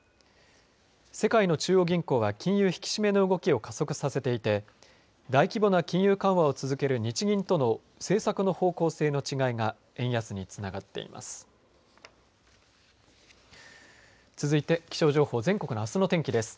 世界の中央銀行は金融引き締めの動きを加速させていて大規模な金融緩和を続ける日銀との政策の方向性の違いが円安につながっています。